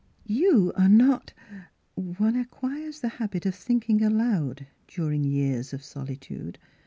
" You are not —" One acquires the habit of thinking aloud during years of solitude.